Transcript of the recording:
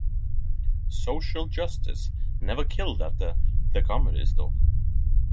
Social Justice never killed at the The Comedy Store.